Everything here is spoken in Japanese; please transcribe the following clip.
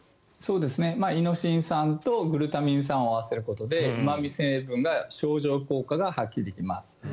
イノシン酸とグルタミン酸を合わせることでうま味成分が相乗効果が発揮できます。